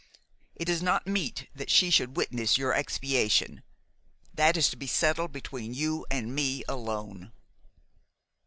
It is not meet that she should witness your expiation. That is to be settled between you and me alone."